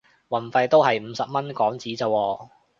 運費都係五十蚊港紙咋喎